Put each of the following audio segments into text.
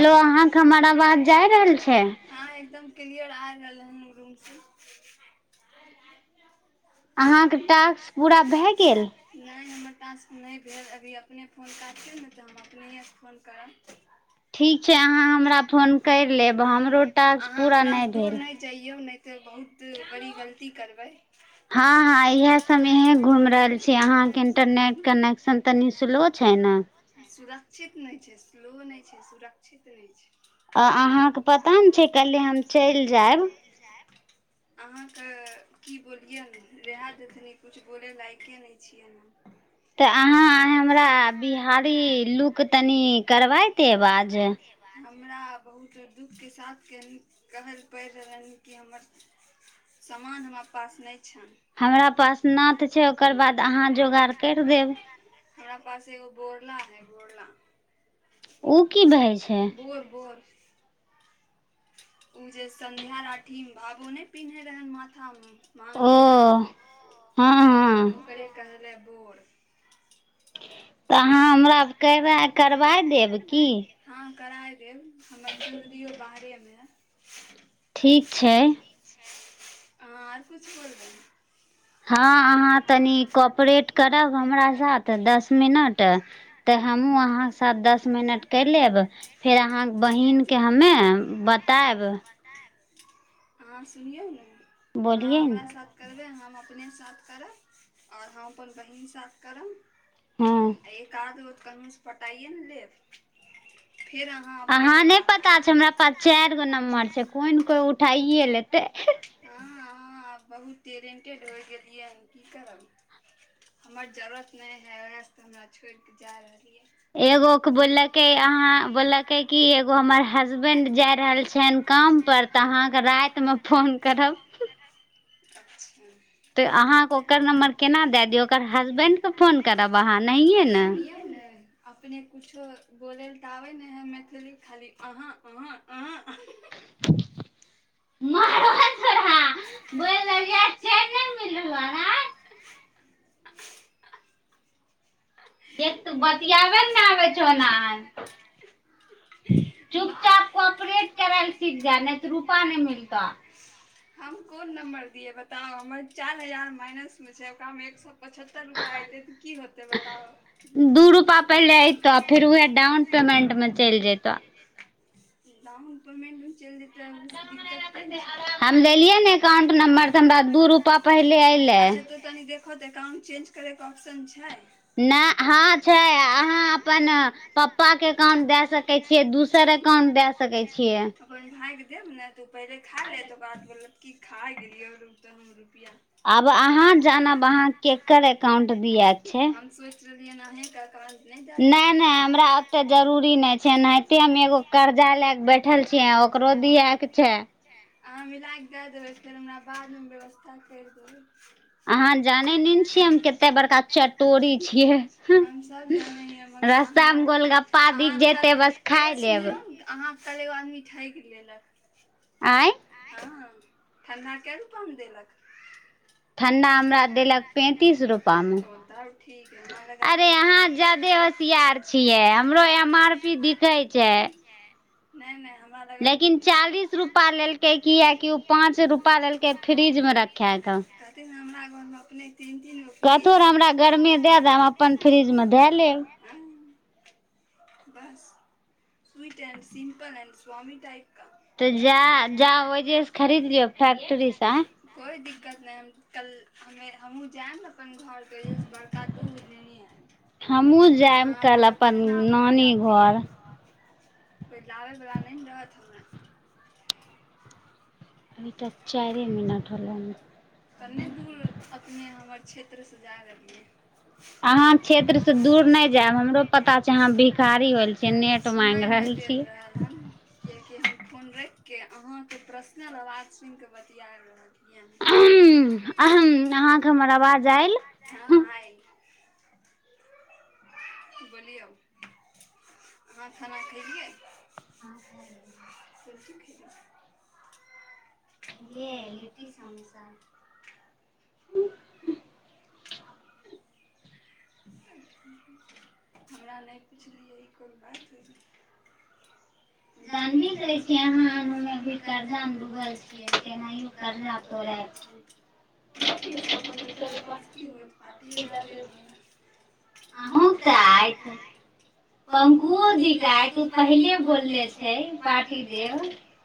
Hello अहाँके हमरा बाज जा रहल छै रहलै रूमसँ अहाँके टास्क पूरा भए गेल नहि भेल अभी अपने फोन काटके ने तऽ हम अपनेए फोन करब ठीक छै अहाँ हमरा फोन करि लेब हमरो टास्क पूरा नहि भेल हँ हँ इएह सब इहे घुमि रहल छी अहाँके इंटरनेट कनेक्शन तनि स्लो छै ने सुरक्षित नहि छै स्लो नहि छै सुरकित ित रहइ छै आ अहाँके पता ने छै कल्हि हम चलि जायब अहाँके की बोलियै ने रह देथिन किछु बोलय लायके नहि छियै ने तऽ अहाँ हमरा बिहारी लुक तनि करबायते बाज हमरा बहुत दुःखके साथ कहै लए पड़ि रहलनि कि हमर समामान हमरा पास नहि हमरा पास न त छै ओकर बाद अहाँ जोगार करि देब बोला उ की भै छै बोर बोर जे संन्ध्या राठीमे भावो नै पिनन्है रहै माथामे मांग टीका ओकरे कहले बोर तऽ अहाँ हमरा कर करबाय देब की कर देब हमर चुनरियओ बाहरेमे ठीक छै आ आर किछु करबै हँ अहाँ तनि कोॉपरेट करब हमरा साथ दस दस मिनट तऽ हमूँ अहाँके साथ दस मिनट क लेब फेर अहाँके बहिनके हमे बतायब अहाँ सुनियौ ने अहाँ हमरा साथ करबै हम अपने साथ करब आओर हम अपन बहिन साथ करब अ क द कनहुँसे पटाइए ने लेब अहाँ नहि पता छै हमरा पास चार गो नम्बर छै कोइ ने कोइ उठाइए लेतै हँ बहुत टैलेन्टेड होइ गेलियै हन की करब हमर जरूरत नहि हइ वएह त हमरा छोड़ के जाय रहल एगोके बोललकै अहाँ बोललकै कि एगो हमर हसबेंड जाय रहल छनि कामपर तऽ अहाँके रातिमे फोन करब अच्छा तऽ अहाँके ओकर नम्बर केना दय दियौ ओकर हसबेंड के फोन करब अहाँ [inaudible] कुच्छो बोलेल तऽ आबे नै है मैथिली में खाली है ह हा हा [inaudible] एक त बतआबे ने आबे छ चुपचाप कोपरेट करैल ले सिख जा नै तऽ रुपा नहि मिलतो तमे एक स पचहत्तर रुपा एतै त की होतैय दू रुपा पहिले अयतो फेर उएह डाउन पेमेंट मे चलि जइतो डाउन पेमेेंट मे चलि जेते त दिक्कते ने छै [unintelligible] अच्छा तो तनि देख देखो त अकाउंट चेंज करैके ऑप्शन छै नहि हँ छै अहाँ अपन प्पाके अकाउंट दए सकै छियै दोसर अकाउंट दए सकै छियै देब ने तऽ पहिले खा ले तऽकर बाद की ख गेलीौर [unintelligible] उ त नर आब अहाँ जानब अहाँ केकर एकाउंट दिअ हम स न है क क [unintelligible] अहाँ मिलााक दै देबै फेर हमरा बाद में व्यवस्था करि अहाँ जानै ने ने छियै हम कतेक बड़का च तोरी छियै रस्ता मे गोलगप्पा दिख जेते बस खााय लेब ह कल एगो आदमी ठाकि लेलक ऑँय ह ठण्डा के रुपया देलक ठण्डा हमरा देलक पैंतीस रूपा मे तब ठीक मन लगाफे [unintelligible] नहि नहि हमरा [unintelligible] मन अपने तीन तीन ओो फरी गरमी दए देब अपन फ्रिजमे दए लेब ब स्वीट एंड सिम्पलंड स्वामी टाइप तऽ जा जा वजह से खरीदलियौ फैक्टरीी सँ द्कत क हम जायब अपन घ बड़का दूख दिन है अहाँ रहबै पटना मे हमेज पियअब कोइ लाबयवला नहि ने रहत हमरा अभी तक चारिए मिनट होलै कन्ने दूर अपने हमर क्षेत्र से जा कर लियै अहाँ क्षेत्रसँ दूर नहि जायब हमरो पता छै अहाँ भिखारी होल छ नेट मागि रहल छियै कोन रखिके अहाँके प्रश्नल आवाज सुनिकऽ बतिियाबि रहल गेलन्तम ह अहाँके हमर आवाज आयल बोलियौ अहाँ खाना खेलियै हँ खाय को चख य लिट्टी समोसा ह [unintelligible] हमरा नहि पुछलियै ई कोन बात जानबे करै छीियै यहाँ अभी कर्जा मे डुबल छियै केनाहिो कर्जा तोड़य अ तऽ आय पंकुओ दिकायत पहिले बोलले छ पार्टी देब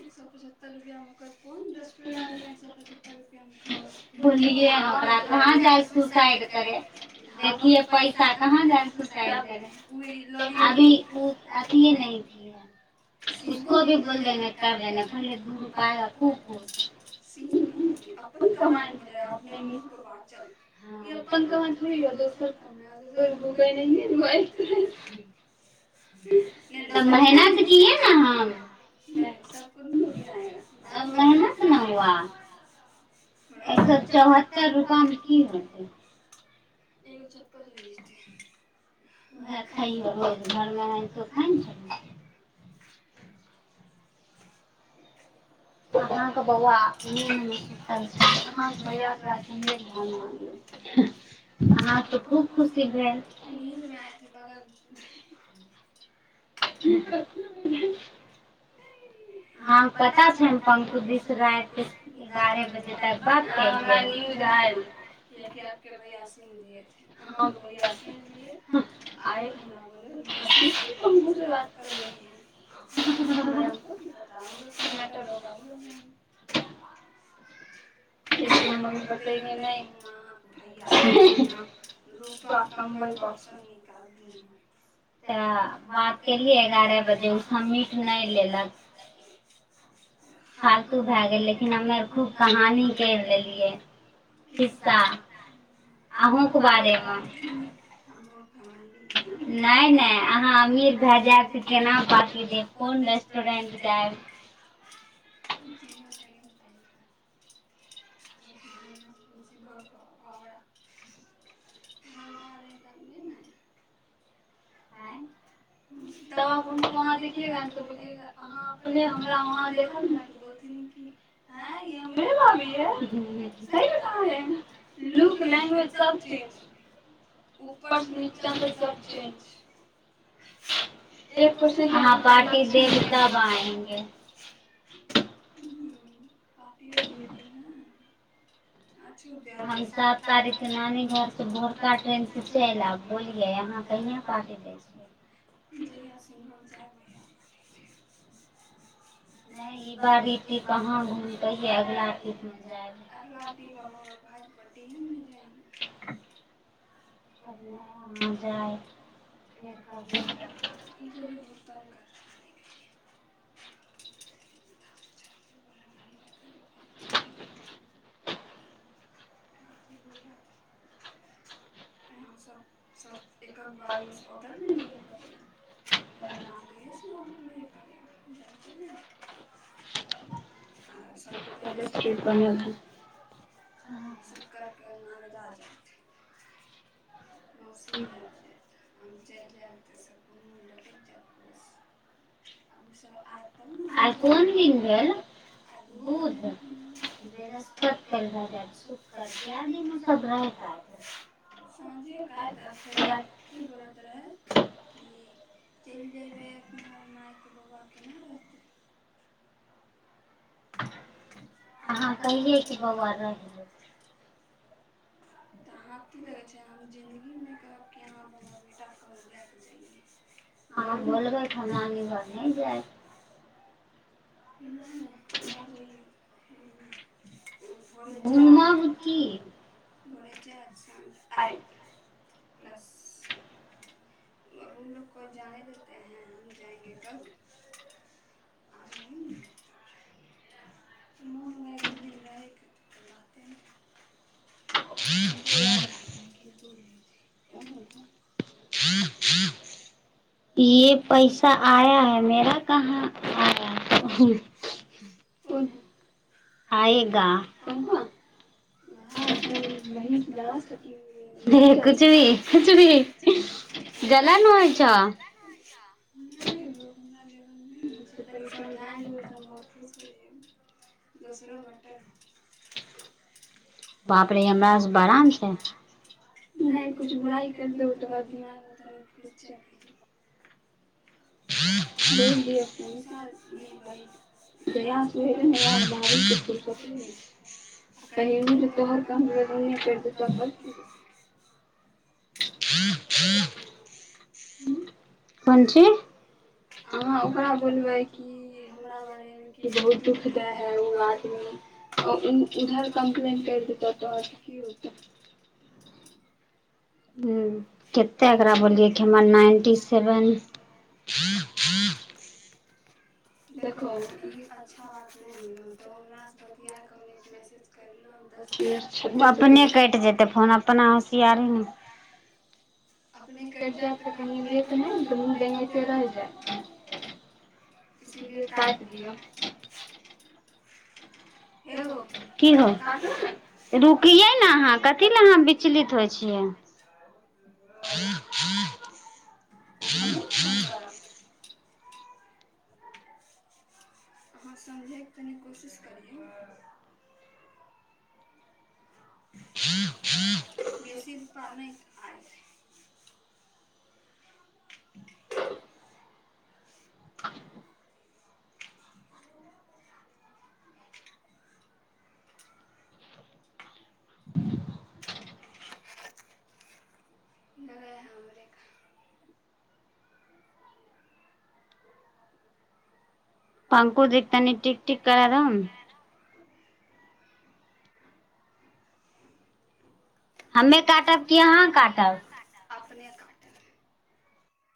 एक सए पचहत्तर रुपआ मे ओ कोन रेस्टोरेंट मे एक सए पचहत्तर रुपिय कहाँ जासड पैसा कहाँ हैड अथ न क हैो भी बोले करे ने पहिले दू रुपू सी अपन कमाायन हो जाय अपने मुह को बाचल ई अपन कमइ थोड़े ह दोसर रुै मेहनत कए ने हम नहि त कोन रुपआ आएगा तब मेहनत न हुआ एक सए चौहत्तर रुपआ मे की होतै ए च [unintelligible] उएह खैइहौ रोज घरमे एनाहितो खाइ ने छौ ब भैय अहाँ तऽ खूब खुशी भेल नीलमे आय बगल ठीक हँ पता छनि अत दिस राति एगारह बजे तक बाद हमरा न्यूज आएल किआकि आपके भैया सुनि रहियै अहाँके भैया सुनि रहियै आएल हमरा बोल से बात करलैो कीता मटग कतेक हम अी सोचयियै नहि हम अहाँके भैयाँ रुपैआ कमबयके ऑप्शन निकाललीँ तऽ बात कलियै एगारह बजे ओ सबमिट नहि लेलक फालतू भए गेल लेकिन हमर खूब कहानी [unintelligible] [unintelligible] [unintelligible] तब वहाँ देखिा त बोल अहाँ अपने हमरा वहाँ देख ने त बोलथि न हमरे बाप स कहै लुक लैंग्वेज सब चेंज ऊपर से नीचा सब चेंज। एक परसे [unintelligible] [unintelligible] हम सात तारीखके नानी घर भोरका ट्रेन से चलि आयब बोलियै अहाँ कहिआ पार्टी दय छियय? [unintelligible] [unintelligible] [unintelligible] [unintelligible] [unintelligible] की हमसभ [unintelligible] [unintelligible] [unintelligible] [unintelligible] [unintelligible] आहाँ कहियय कि बउआ रह [inaudible] [unintelligible] [unintelligible] [unintelligible] आय [unintelligible] [unintelligible] ल हँ हँ ये पैसा आय है मेरा कह आय त कोन आयेगा [inaudible] बन ज ने होइ छ नहि समझा देब तऽ हम बहुत खुश होोसर नहि किुछु बुराइ करि देब तकर ब दिमागमे तनि खुश तोर [inaudible] ह ह हँ जी अहाँ ओकरा बोलबै कि हमरा बारेमे कि बहुत दुःख दै हइ ओ आदमी उधर कम्प्लेन करि देतहु तऽहाँसँ की होतै ह कतेक एकरा बोलिय र नाइन्टी सेवेन [unintelligible] देख ई अच्छा बात नहि त हमर ब कटि जायत तऽ कनि ले त नहि ने तऽ मुँ ते रहि जाय इसीलिए काटि दियों हगोटू हम फन करब [inaudible] हं समझायनी कोशिश करी ह बेसी रूपा नहि आइ [unintelligible] हुँ [unintelligible] पंकु जी कनि ठीक ठीक करम हमे काटाब की अहां काटब अपने काट लेब